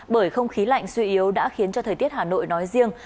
bởi không khí lạnh suy yếu đã khiến cho thời tiết hà nội nói riêng